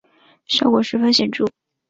效果十分显著